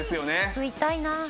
吸いたいな。